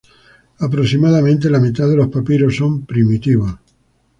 Aproximadamente la mitad de los papiros son "primitivos".